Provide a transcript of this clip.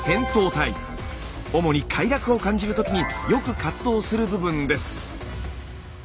主に快楽を感じる時によく活動する部分です。